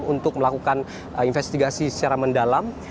untuk melakukan investigasi secara mendalam